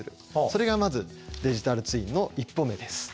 それがまずデジタルツインの一歩目です。